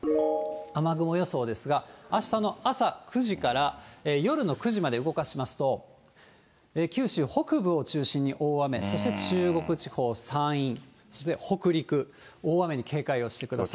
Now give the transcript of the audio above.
雨雲予想ですが、あしたの朝９時から夜の９時まで動かしますと、九州北部を中心に大雨、そして中国地方、山陰、そして北陸、大雨に警戒をしてください。